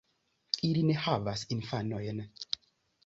Ili ne havas infanojn.